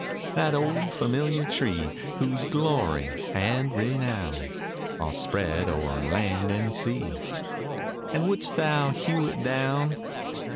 That old familiar tree, Whose glory and renown Are spread o'er land and sea And wouldst thou hew it down?